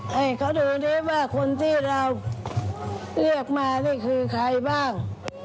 ให้เขาดูดิว่าคนที่เราเลือกมานี่คือใครบ้าง